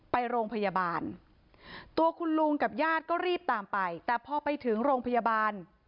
ไปโรงพยาบาลตัวคุณลุงกับญาติก็รีบตามไปแต่พอไปถึงโรงพยาบาล